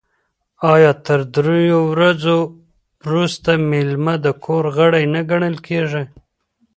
آیا تر دریو ورځو وروسته میلمه د کور غړی نه ګڼل کیږي؟